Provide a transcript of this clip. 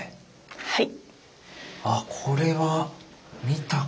はい。